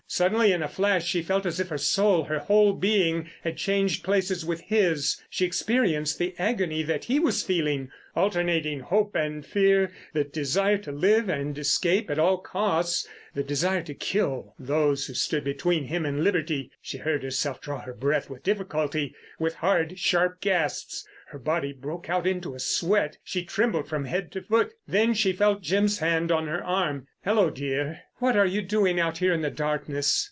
Suddenly, in a flash, she felt as if her soul, her whole being, had changed places with his. She experienced the agony that he was feeling—alternating hope and fear. The desire to live and escape at all costs, and the desire to kill those who stood between him and liberty. She heard herself draw her breath with difficulty, with hard, sharp gasps. Her body broke out into a sweat. She trembled from head to foot. Then she felt Jim's hand on her arm. "Hello, dear, what are you doing out here in the darkness?"